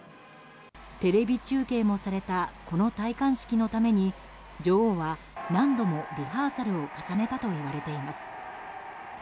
テレビ中継もされたこの戴冠式のために女王は何度もリハーサルを重ねたといわれています。